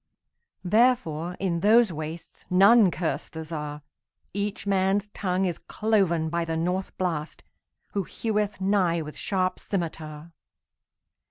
Therefore, in those wastesNone curse the Czar.Each man's tongue is cloven byThe North Blast, who heweth nighWith sharp scymitar.